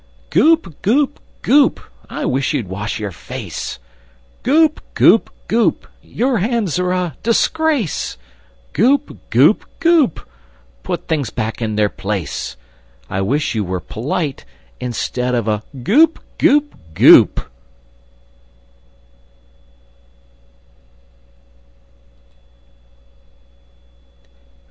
_ Goop! Goop! Goop! I wish you'd wash your face! Goop! Goop! Goop! Your hands are a disgrace! Goop! Goop! Goop! Put things back in their place! I wish you were polite, Instead of a Goop! Goop! Goop!